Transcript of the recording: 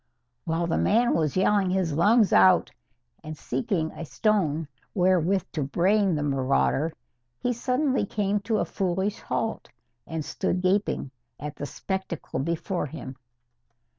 While the man was yelling his lungs out and seeking a stone wherewith to brain the marauder, he suddenly came to a foolish halt, and stood gaping at the spectacle before him.